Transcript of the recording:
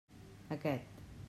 Aquest.